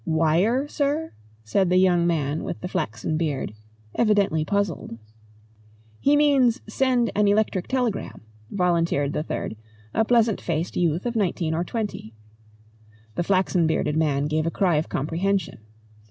"Wire, sir?" said the young man with the flaxen beard, evidently puzzled. "He means send an electric telegram," volunteered the third, a pleasant faced youth of nineteen or twenty. The flaxen bearded man gave a cry of comprehension.